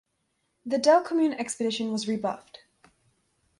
The Delcommune Expedition was rebuffed.